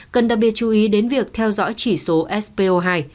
cần đặc biệt chú ý đến việc theo dõi chỉ số spo hai